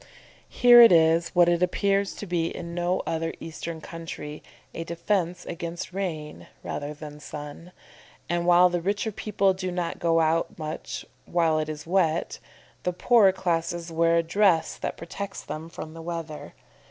Here it is, what it appears to be in no other Eastern country, a defence against rain rather than sun, and while the richer people do not go out much while it is wet, the poorer classes wear a dress that protects them from the weather.